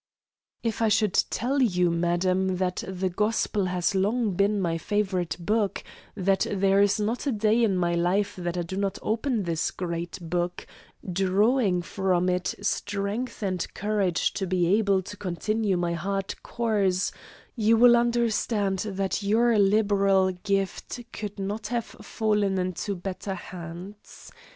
"If I should tell you, madam, that the Gospel has long been my favourite book, that there is not a day in my life that I do not open this great Book, drawing from it strength and courage to be able to continue my hard course you will understand that your liberal gift could not have fallen into better hands.